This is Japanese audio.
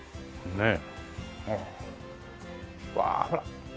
ねえ。